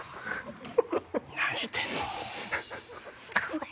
何してんの？